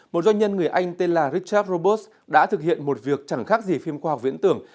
một doanh nhân người anh tên là richard robot đã thực hiện một việc chẳng khác gì phim khoa học viễn tưởng